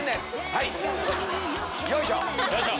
はい！よいしょ！